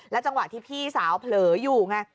จังหวะที่พี่สาวเผลออยู่ไง